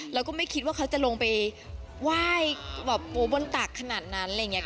แล้วก็ไม่คิดว่าเขาจะลงไปไหว้แบบบนตักขนาดนั้นอะไรอย่างนี้